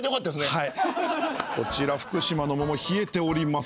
こちら福島の桃冷えております。